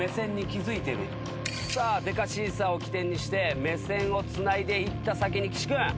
でかシーサーを起点にして目線をつないでいった先に岸君。